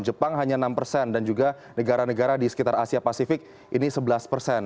jepang hanya enam persen dan juga negara negara di sekitar asia pasifik ini sebelas persen